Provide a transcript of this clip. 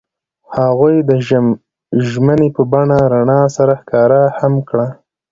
هغوی د ژمنې په بڼه رڼا سره ښکاره هم کړه.